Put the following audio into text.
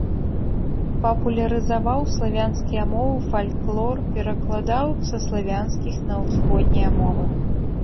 Папулярызаваў славянскія мовы, фальклор, перакладаў са славянскіх на ўсходнія мовы.